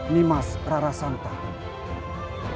nimas rara santang